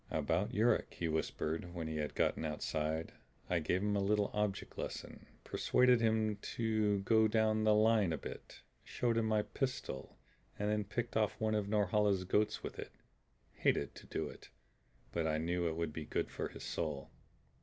"About Yuruk," he whispered when he had gotten outside. "I gave him a little object lesson. Persuaded him to go down the line a bit, showed him my pistol, and then picked off one of Norhala's goats with it. Hated to do it, but I knew it would be good for his soul.